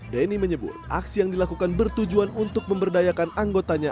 denny menyebut aksi yang dilakukan bertujuan untuk memberdayakan anggotanya